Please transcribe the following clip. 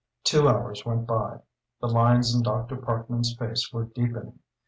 Two hours went by; the lines in Dr. Parkman's face were deepening.